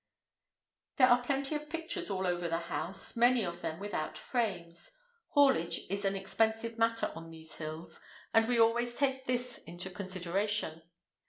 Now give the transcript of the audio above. There are plenty of pictures all over the house, many of them without frames. Haulage is an expensive matter on these hills, and we always take this into consideration.